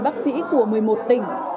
bốn bác sĩ của một mươi một tỉnh